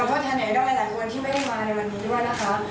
แต่ว่าแทนไหนได้หลายคนที่ไม่ได้มาในวันนี้ด้วยนะคะ